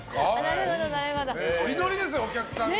ノリノリですよ、お客さん！